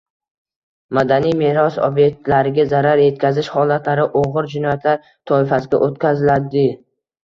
Madaniy meros ob’ektlariga zarar yetkazish holatlari og‘ir jinoyatlar toifasiga o‘tkazilading